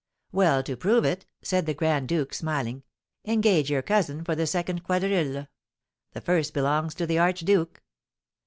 "Well, to prove it," said the grand duke, smiling, "engage your cousin for the second quadrille; the first belongs to the archduke."